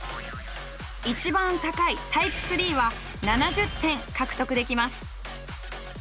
一番高いタイプ３は７０点獲得できます。